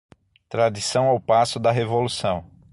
Tradição ao passo da revolução